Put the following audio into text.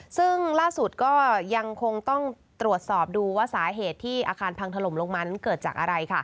ซึ่งล่าสุดก็ยังคงต้องตรวจสอบดูว่าสาเหตุที่อาคารพังถล่มลงมานั้นเกิดจากอะไร